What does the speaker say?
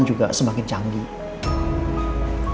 dan juga kemampuan metode pengobatan